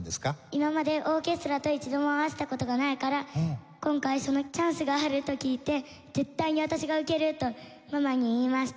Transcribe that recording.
今までオーケストラと一度も合わせた事がないから今回そのチャンスがあると聞いて絶対に私が受けるとママに言いました。